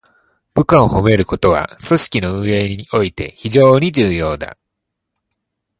部下を褒めることは、組織の運営において非常に重要だ。